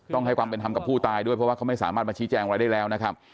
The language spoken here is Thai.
ต้องให้ความเป็นธรรมกับผู้ตายด้วยเพราะว่าเขาไม่สามารถมาชี้แจงอะไรได้แล้วนะครับ